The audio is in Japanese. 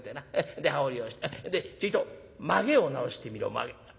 で羽織をちょいとまげを直してみろまげ。